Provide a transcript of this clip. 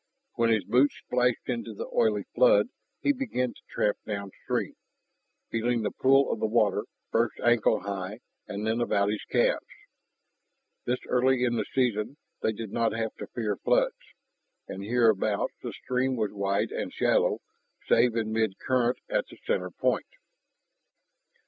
When his boots splashed into the oily flood he began to tramp downstream, feeling the pull of the water, first ankle high and then about his calves. This early in the season they did hot have to fear floods, and hereabouts the stream was wide and shallow, save in mid current at the center point.